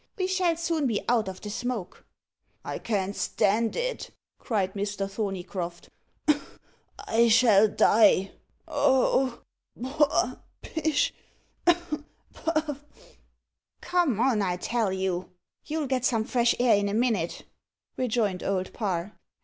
"We shall soon be out of the smoke." "I can't stand it," cried Mr. Thorneycroft; "I shall die. Oh! poah pish puff!" "Come on, I tell you you'll get some fresh air in a minute," rejoined Old Parr.